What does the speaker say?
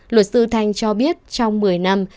luật sư thanh cho biết trong một mươi năm